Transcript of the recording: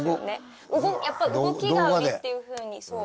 やっぱ動きが売りっていうふうに。